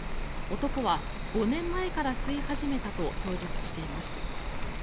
男は５年前から吸い始めたと供述しています。